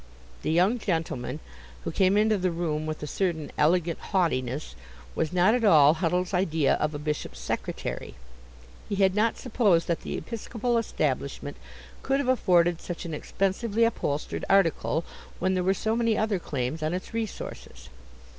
The young gentleman, who came into the room with a certain elegant haughtiness, was not at all Huddle's idea of a bishop's secretary; he had not supposed that the episcopal establishment could have afforded such an expensively upholstered article when there were so many other claims on its resources.